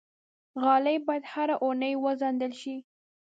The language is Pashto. غالۍ باید هره اونۍ وڅنډل شي.